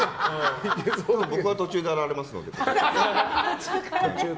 僕は途中から現れますので。